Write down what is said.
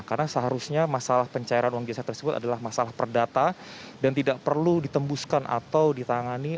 karena seharusnya masalah pencairan uang jasa tersebut adalah masalah perdata dan tidak perlu ditembuskan atau ditangani